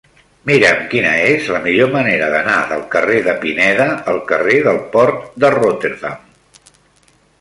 Mira'm quina és la millor manera d'anar del carrer de Pineda al carrer del Port de Rotterdam.